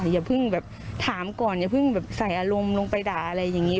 อย่าเพิ่งแบบถามก่อนอย่าเพิ่งแบบใส่อารมณ์ลงไปด่าอะไรอย่างนี้